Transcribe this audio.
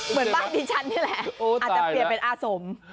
เหมือนบ้านดิฉันนี่แหละอาจจะเปลี่ยนเป็นอาสม